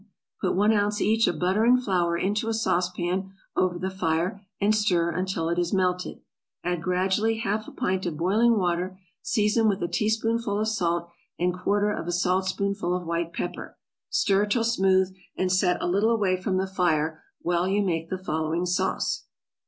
Put one ounce each of butter and flour into a sauce pan over the fire, and stir until it is melted, add gradually half a pint of boiling water, season with a teaspoonful of salt, and quarter of a saltspoonful of white pepper, stir till smooth, and set a little away from the fire, while you make the following sauce.